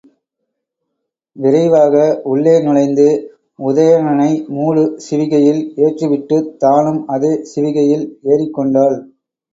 விரைவாக உள்ளே நுழைந்து, உதயணனை மூடு சிவிகையில் ஏற்றிவிட்டுத் தானும் அதே சிவிகையில் ஏறிக் கொண்டாள்.